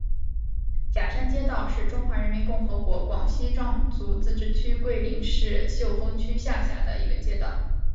甲山街道是中华人民共和国广西壮族自治区桂林市秀峰区下辖的一个街道。